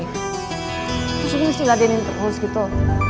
terus ini mesti latihan interpolis gitu